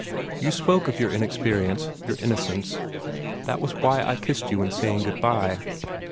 You spoke of your inexperience, your innocence. That was why I kissed you in saying good bye.